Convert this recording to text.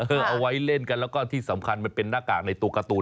เอาไว้เล่นกันแล้วก็ที่สำคัญมันเป็นหน้ากากในตัวการ์ตูน